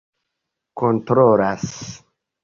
kontrolas